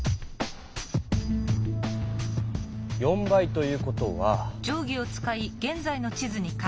４倍という事は。